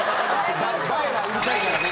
「映え」はうるさいからね。